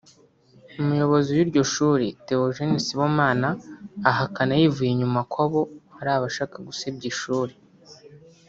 Umuyobozi w’iryo shuri Theogene Sibomana ahakana yivuye inyuma ko abo ari abashaka gusebya ishuri